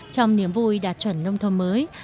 trong niềm vui đạt chuẩn nông thôn mới